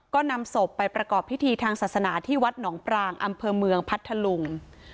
ก็นำศพไปประกอบพิธีทางศาสนาที่วัดหนองปรางอำเภอเมืองพัทธลุง